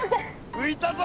ういたぞ！